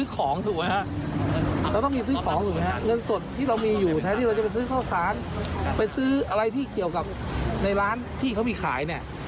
ก็คืออะไรที่เกี่ยวกับในร้านที่เขามีขาย